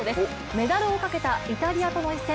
メダルをかけたイタリアとの一戦。